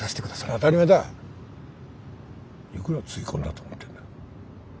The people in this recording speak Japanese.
いくらつぎ込んだと思ってるんだ。